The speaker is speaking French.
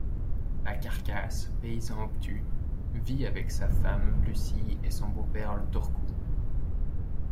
La Carcasse, paysan obtus, vit avec sa femme Lucie et son beau-père le Tord-cou.